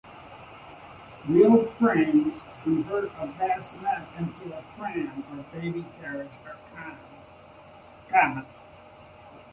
Wheeled frames to convert a bassinet into a pram or baby carriage are common.